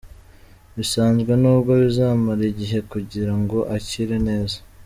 bisanzwe nubwo bizamara igihe kugira ngo akire neza.